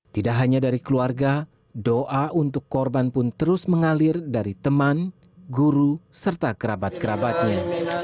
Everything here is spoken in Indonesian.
tidak hanya dari keluarga doa untuk korban pun terus mengalir dari teman guru serta kerabat kerabatnya